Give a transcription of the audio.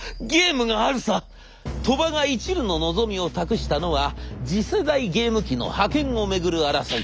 鳥羽がいちるの望みを託したのは次世代ゲーム機の覇権を巡る争い。